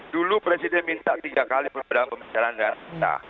dulu presiden minta tiga kali perbedaan pembicaraan dengan kita